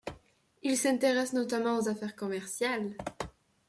Il s’intéresse notamment aux affaires commerciales.